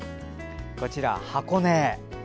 こちら箱根。